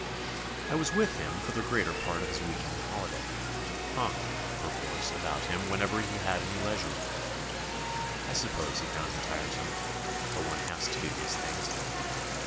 I was with him for the greater part of his weekend holiday; hung, perforce, about him whenever he had any leisure. I suppose he found me tiresome but one has to do these things.